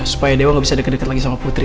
supaya dewa gak bisa deket deket lagi sama putri